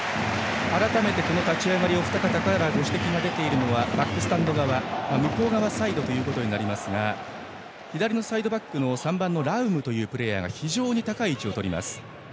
改めて立ち上がりお二方から指摘があるのはバックスタンド側向こう側サイドとなりますが左のサイドバックの３番、ラウムというプレーヤーが非常に高い位置をとります。